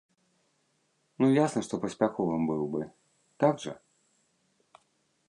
Ну ясна, што паспяховым быў бы, так жа?